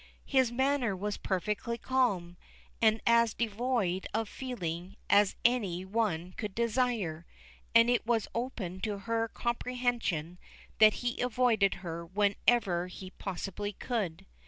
His manner was perfectly calm, and as devoid of feeling as any one could desire, and it was open to her comprehension that he avoided her whenever he possibly could.